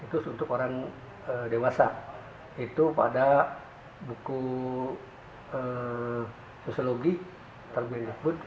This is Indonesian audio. situs untuk orang dewasa itu pada buku sosiologi terbitan pt cempaka putih